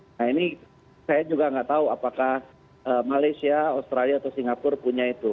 nah ini saya juga nggak tahu apakah malaysia australia atau singapura punya itu